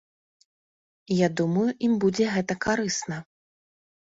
Я думаю, ім будзе гэта карысна.